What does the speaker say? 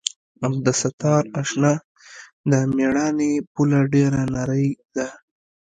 عبدالستاره اشنا د مېړانې پوله ډېره نرۍ ده.